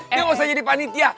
dia gak usah jadi panitia